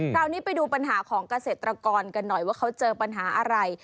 คราวนี้ไปดูปัญหาของเกษตรกรกันหน่อยว่าเขาเจอปัญหาอะไร